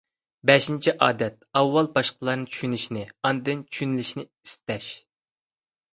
بەشىنچى ئادەت، ئاۋۋال باشقىلارنى چۈشىنىشنى، ئاندىن چۈشىنىلىشنى ئىستەش.